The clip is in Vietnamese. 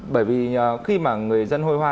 bởi vì khi mà người dân hôi hoa